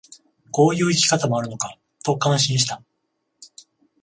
こういう生き方もあるのかと感心した